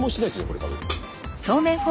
これ多分。